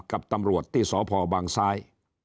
กับตำรวจที่สพบางซ้าย